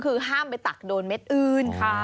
คือห้ามไปตักโดนเม็ดอื่น